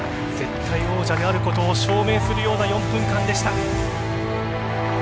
絶対王者であることを証明するような４分間でした。